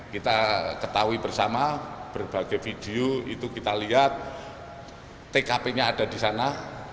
kita ketahui bersama berbagai video itu kita lihat tkp nya ada di sana